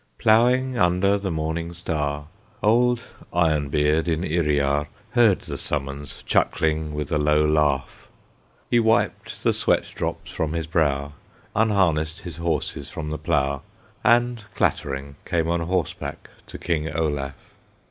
Ploughing under the morning star, Old Iron Beard in Yriar Heard the summons, chuckling with a low laugh. He wiped the sweat drops from his brow, Unharnessed his horses from the plough, And clattering came on horseback to King Olaf.